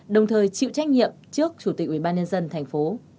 đồng thời chịu trách nhiệm trước chủ tịch ubnd tp